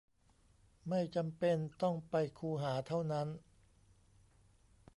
ไม่จำเป็นต้องไปคูหาเท่านั้น